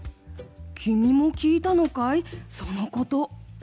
君も聞いたのかい、そのこと。